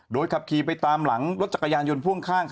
โดยขับขี่ไปตามหลังรถจักรยานยนต์พ่วงข้าง